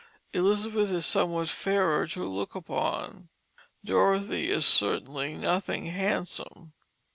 Elizabeth is somewhat fairer to look upon. Dorothy is certainly "nothing handsome."